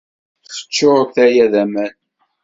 Teččur tala d aman